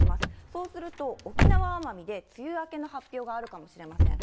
そうすると、沖縄・奄美で梅雨明けの発表があるかもしれません。